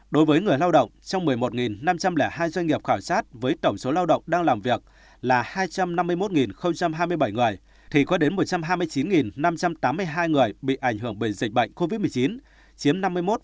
đối với người lao động trong một mươi một năm trăm linh hai doanh nghiệp khảo sát với tổng số lao động đang làm việc là hai trăm năm mươi một hai mươi bảy người thì có đến một trăm hai mươi chín năm trăm tám mươi hai người bị ảnh hưởng bởi dịch bệnh covid một mươi chín chiếm năm mươi một chín